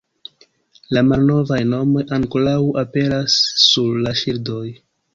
La malnovaj nomoj ankoraŭ aperas sur la ŝildoj.